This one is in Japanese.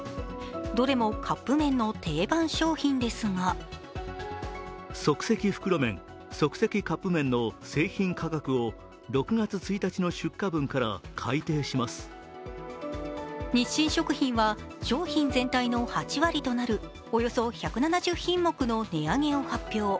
どれもカップ麺の定番商品ですが日清食品は商品全体の８割となるおよそ１７０品目の値上げを発表。